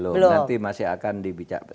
nanti masih akan dibicarakan